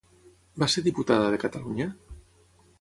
Va ser diputada de Catalunya?